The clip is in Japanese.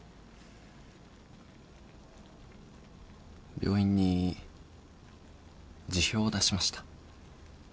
病院に辞表を出しました。